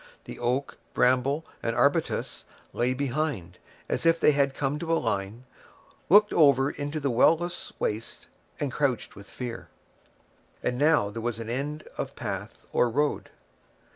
The oak, bramble, and arbutus lay behind, as if they had come to a line, looked over into the well less waste and crouched with fear. And now there was an end of path or road.